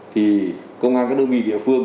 thì công an các đơn vị địa phương